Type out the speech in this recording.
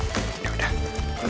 kalau gitu kakak mau ambil dulu ya